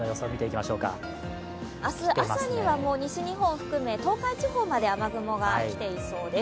明日朝には西日本を含め、東海地方まで雨雲が来ていそうです。